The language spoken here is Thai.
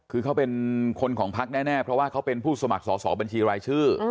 คือเขาเป็นคนของพักแน่เพราะว่าเขาเป็นผู้สมัครสอบบัญชีรายชื่อ